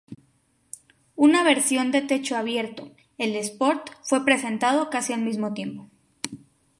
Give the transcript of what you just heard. Una versión de techo abierto, el Sport, fue presentado casi al mismo tiempo.